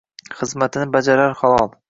Xizmatini bajarar halol